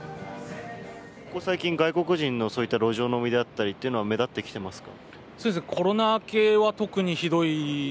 ここ最近、外国人の路上飲みであったりというのは目立ってきていますか？